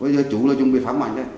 bây giờ chú luôn chuẩn bị phán mảnh đấy